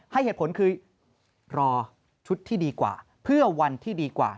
ให้เหตุผลคือรอชุดที่ดีกว่าเพื่อวันที่ดีกว่า